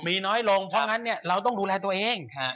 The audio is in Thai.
มีน้อยลงเพราะงั้นเราต้องดูแลตัวเอง